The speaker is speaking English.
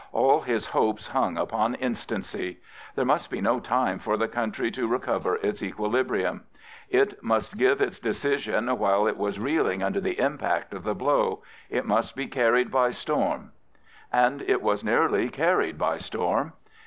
All his hopes hung upon instancy. There must be no time for the country to recover its equilibrium. It must give its decision while it was reeling under the impact of the blow. It must be carried by storm. And it was nearly carried by storm.